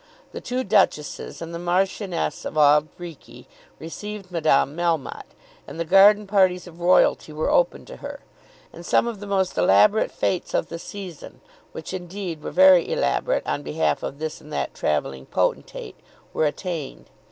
The two duchesses and the Marchioness of Auld Reekie received Madame Melmotte, and the garden parties of royalty were open to her. And some of the most elaborate fêtes of the season, which indeed were very elaborate on behalf of this and that travelling potentate, were attained.